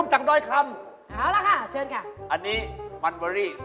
หันมาค้อนนิดหนึ่ง